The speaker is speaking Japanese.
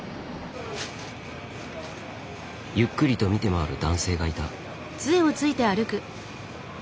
ゆっくりと見て回る男性がいた。